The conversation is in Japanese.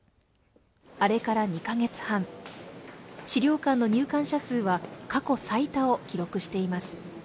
あれから２か月半、資料館の入館者数は過去最多を記録しています。